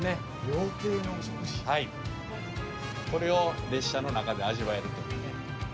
これを列車の中で味わえるというね。